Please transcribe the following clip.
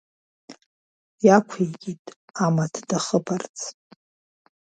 Иақәикит амаҭ дахыԥарц.